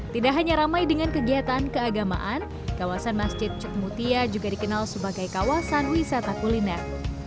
tidak hanya ramai dengan kegiatan keagamaan kawasan masjid cutmutia juga dikenal sebagai kawasan wisata kuliner